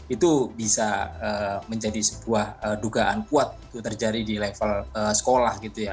itu bisa menjadi sebuah dugaan kuat itu terjadi di level sekolah